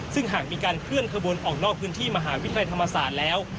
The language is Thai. ซึ่งหากมีการเคลื่อนขบวนออกนอกพื้นที่มหาวิทยาลัยธรรมศาสตร์แล้ว